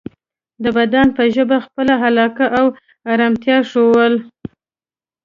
د بدن په ژبه خپله علاقه او ارامتیا ښودل